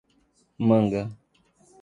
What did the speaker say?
Manga